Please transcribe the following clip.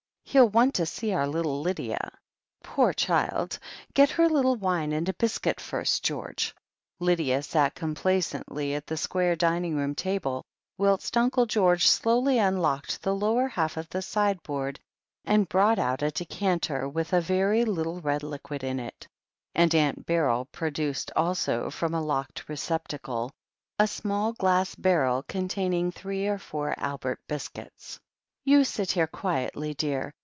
"He'll want to see our little Lydia." "Poor child! Get her a little wine and a Hscuit first, George." Lydia sat complacently at the square dining room table, whilst Uncle George slowly unlocked the lower half of the sideboard and brought out a decanter with ^ THE HEEL OF ACHILLES 9 a very little red liquid in it, and Aunt Beryl produced, also from a locked receptacle, a small glass barrel containing three or four Albert biscuits. ''You sit here quietly, dear.